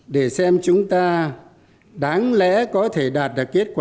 để xem chúng ta đáng lẽ có thể đạt được kết quả